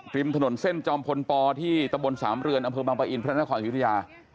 ริมถนนเส้นจอมพลปที่ตะบนสามเรือนอำเภอบางปะอินพระนครศิริยา